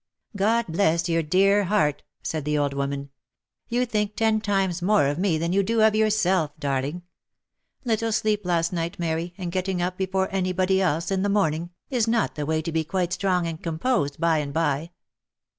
" God bless your dear heart V said the old woman. " You think ten times more of me than you do of yourself, darling ! Little sleep last night, Mary, and getting up before any body else in the morning,, is not the way to be quite strong and composed by and by."